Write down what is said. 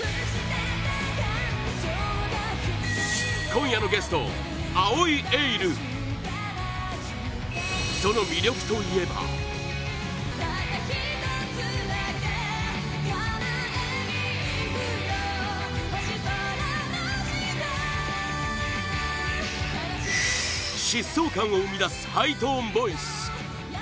今夜のゲスト、藍井エイルその魅力といえば疾走感を生み出すハイトーンボイス！